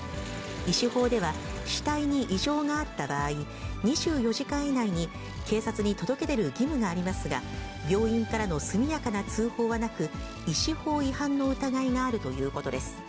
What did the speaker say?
医師法では、死体に異状があった場合、２４時間以内に警察に届け出る義務がありますが、病院からの速やかな通報はなく、医師法違反の疑いがあるということです。